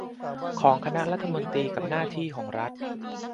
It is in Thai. ของคณะรัฐมนตรีกับหน้าที่ของรัฐ